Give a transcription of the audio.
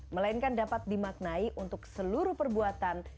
melainkan dapat dimaknai untuk seluruh perbuatan